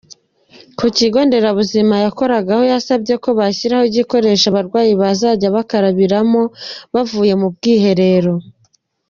Ku kigo nderabuzima yakoragaho yasabye ko bashyiraho igikoresho abarwayi bazajya bakarabiramo bavuye mu bwiherero.